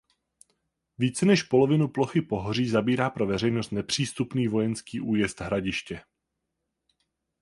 Více než polovinu plochy pohoří zabírá pro veřejnost nepřístupný Vojenský újezd Hradiště.